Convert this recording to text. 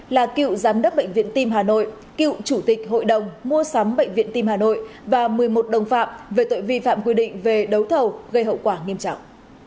là cựu giám đốc bệnh viện tim hà nội cựu chủ tịch hội đồng mua sắm bệnh viện tim hà nội và một mươi một đồng phạm về tội vi phạm quy định về đấu thầu gây hậu quả nghiêm trọng